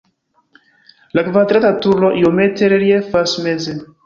La kvadrata turo iomete reliefas meze.